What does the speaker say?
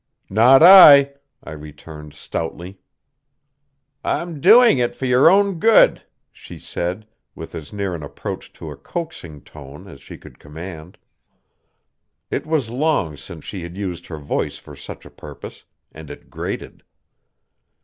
"Not I!" I returned stoutly. "I'm doing it for your own good," she said, with as near an approach to a coaxing tone as she could command. It was long since she had used her voice for such a purpose and it grated.